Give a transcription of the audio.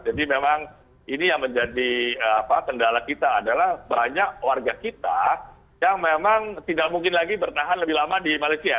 jadi memang ini yang menjadi kendala kita adalah banyak warga kita yang memang tidak mungkin lagi bertahan lebih lama di malaysia